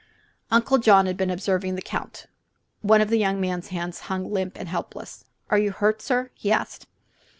Uncle John had been observing the Count. One of the young man's hands hung limp and helpless. "Are you hurt, sir?" he asked.